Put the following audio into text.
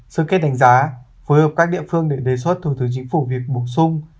sơ kết đánh giá phối hợp các địa phương để đề xuất thủ tướng chính phủ việc bổ sung